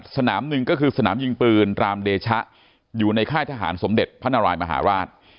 สนามหนึ่งก็คือสนามยิงปืนรามเดชะอยู่ในค่ายทหารสมเด็จพระนารายมหาราช